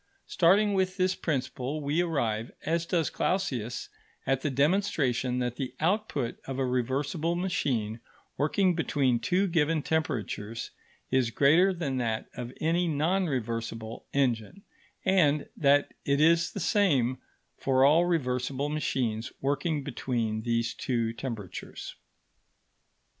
Starting with this principle, we arrive, as does Clausius, at the demonstration that the output of a reversible machine working between two given temperatures is greater than that of any non reversible engine, and that it is the same for all reversible machines working between these two temperatures.